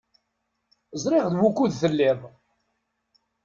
Ẓriɣ d wukud telliḍ.